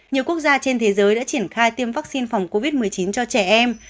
nhiều quốc gia trên thế giới đã triển khai tiêm vaccine phòng covid một mươi chín cho trẻ em